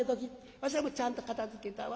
「わしはもうちゃんと片づけたわ」。